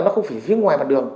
nó không phải phía ngoài mặt đường